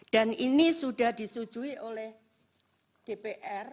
dan ini sudah disetujui oleh dpr